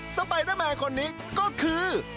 สปายเตอร์แมนคนนี้ก็คือ